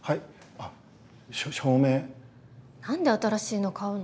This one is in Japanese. なんで新しいの買うの？